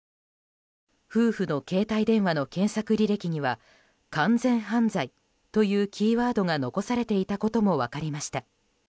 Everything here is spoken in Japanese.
夫婦の携帯電話の検索履歴には完全犯罪というキーワードが残されていたことも分かりました。